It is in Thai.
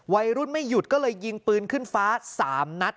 วัยรุ่นไม่หยุดก็เลยยิงปืนขึ้นฟ้า๓นัท